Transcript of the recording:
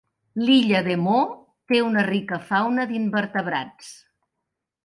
L'illa de Maud té una rica fauna d'invertebrats.